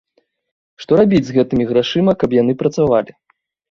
Што рабіць з гэтымі грашыма, каб яны працавалі?